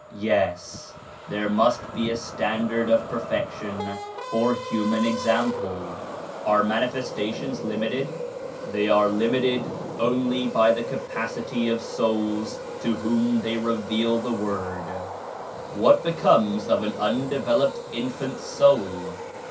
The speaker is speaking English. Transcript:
"Yes, there must be a standard of perfection for human example." .... "Are MamlVsiati6ps MYmitc^^^ "They are limited only by 'tfip (jipicS^ ^f souls to whom they reveal th&^y/or'd.^S, y.., ', "What becomes of an undeveloped infant's soul?"